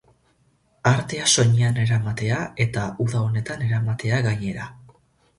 Artea soinean eramatea, eta uda honetan eramatea gainera.